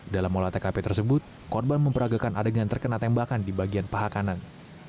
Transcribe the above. dalam olah tkp tersebut korban memperagakan adegan terkena tembakan di bagian paha kanan